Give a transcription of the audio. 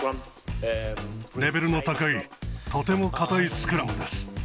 レベルの高い、とても堅いスクラムです。